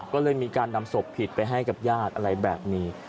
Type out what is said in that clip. ก็เลยมีการนำศพผิดไปให้กับญาติอะไรแบบนี้